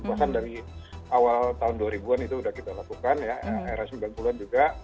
bahkan dari awal tahun dua ribu an itu sudah kita lakukan ya era sembilan puluh an juga